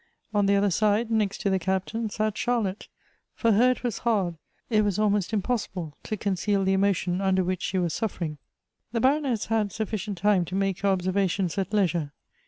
On the other side, next to the Captain, sat Charlotte ; for her it was hard, it was almost impossible, to conceal the emotion under which she was Buffering. The Baroness had sufficient time to make her observa tions at leisure.